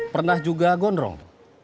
pernah juga gonrong